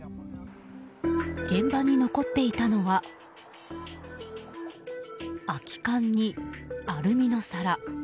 現場に残っていたのは空き缶にアルミの皿。